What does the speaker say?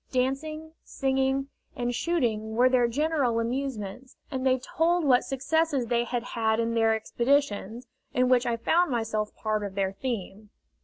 Dancing, singing, and shooting were their general amusements, and they told what successes they had had in their expeditions, in which I found myself part of their theme.